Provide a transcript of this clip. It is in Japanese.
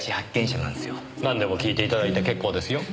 なんでも聞いて頂いて結構ですよ。